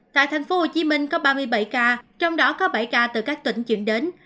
tại tp hcm có ba mươi bảy ca trong đó có bảy ca từ các tỉnh chuyển đến